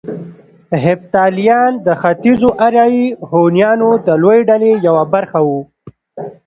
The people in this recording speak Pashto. هېپتاليان د ختيځو اریایي هونيانو د لويې ډلې يوه برخه وو